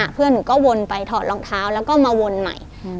เพื่อนหนูก็วนไปถอดรองเท้าแล้วก็มาวนใหม่